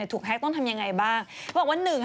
ถูกแฮคต้องทำยังไงบ้าง